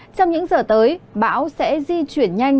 trong những giờ tới bão sẽ di chuyển nhanh